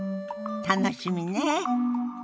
楽しみね。